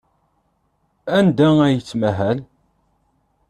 Anda ay yettmahal?